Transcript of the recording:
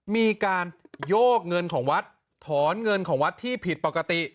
มีการโยกเงินของวัดถอนเงินของวัดที่ผิดปกติ